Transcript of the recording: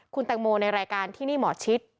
คุณแตงโมในรายการที่นี่หมอชิด